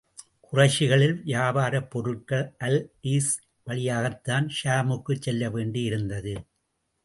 குறைஷிகளின் வியாபாரப் பொருட்கள், அல் ஈஸ் வழியாகத்தான் ஷாமுக்குச் செல்ல வேண்டியிருந்தது.